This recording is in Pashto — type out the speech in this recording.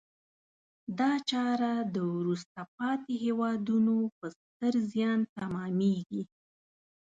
دا چاره د وروسته پاتې هېوادونو په ستر زیان تمامیږي.